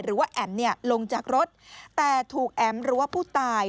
หรือว่าแอ๋มลงจากรถแต่ถูกแอ๋มหรือว่าผู้ตาย